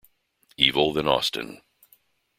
Evil than Austin.